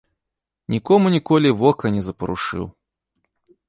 Нікому ніколі вока не запарушыў.